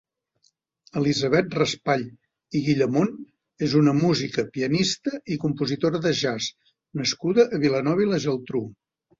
Elisabet Raspall i Guillamont és una música, pianista i compositora de jazz nascuda a Vilanova i la Geltrú.